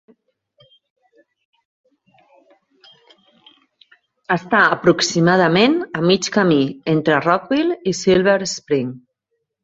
Està aproximadament a mig camí entre Rockville i Silver Spring.